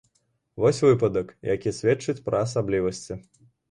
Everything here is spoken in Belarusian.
Вось выпадак, які сведчыць пра асаблівасці.